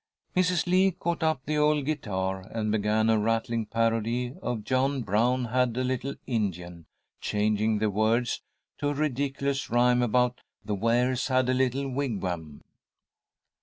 Mrs. Lee caught up the old guitar, and began a rattling parody of "John Brown had a little Indian," changing the words to a ridiculous rhyme about "The Wares had a little Wigwam."